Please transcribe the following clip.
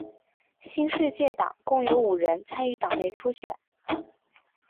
新世界党共有五人参与党内初选。